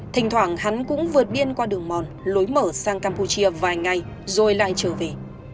thỉnh thoảng hắn cũng vượt biên qua đường mòn lối mở sang campuchia vài ngày rồi lại trở về